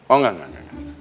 oh enggak enggak